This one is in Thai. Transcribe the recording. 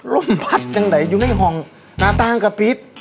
ร่มพัดจังใดอยู่ในห่องณต้างกับพิษ